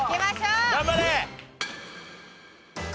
頑張れ！